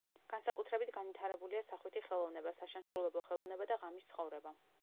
განსაკუთრებით განვითარებულია სახვითი ხელოვნება, საშემსრულებლო ხელოვნება და ღამის ცხოვრება.